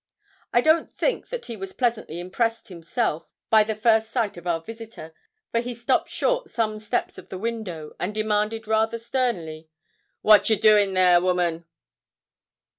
I don't think that he was pleasantly impressed himself by the first sight of our visitor, for he stopped short some steps of the window, and demanded rather sternly 'What ye doin' there, woman?'